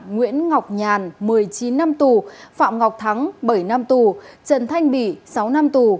nguyễn ngọc nhàn một mươi chín năm tù phạm ngọc thắng bảy năm tù trần thanh bỉ sáu năm tù